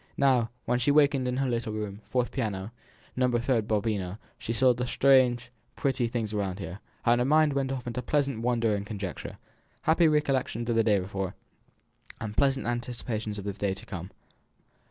Now, when she wakened in her little room, fourth piano, No. 36, Babuino, she saw the strange, pretty things around her, and her mind went off into pleasant wonder and conjecture, happy recollections of the day before, and pleasant anticipations of the day to come.